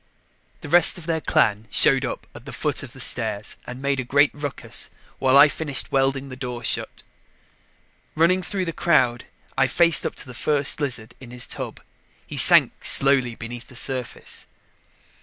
The rest of their clan showed up at the foot of the stairs and made a great ruckus while I finished welding the door shut. Running through the crowd, I faced up to the First Lizard in his tub. He sank slowly beneath the surface.